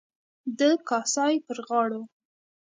د کاسای پر غاړو.